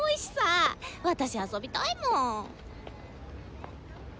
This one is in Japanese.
私遊びたいもん！